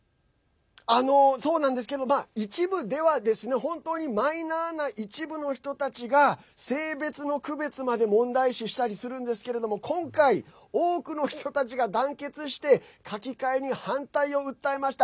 そうなんですけど、一部では本当にマイナーな一部の人たちが性別の区別まで問題視したりするんですけれども今回、多くの人たちが団結して書き換えに反対を訴えました。